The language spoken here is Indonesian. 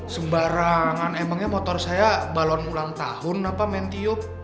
sembarangan emangnya motor saya balon ulang tahun apa main tiup